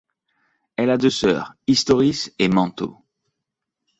Elle a deux sœurs, Historis et Manto.